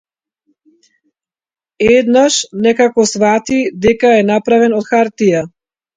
Еднаш некако сфати дека е направен од - хартија.